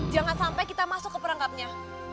jangan sampai kita masuk ke perangkapnya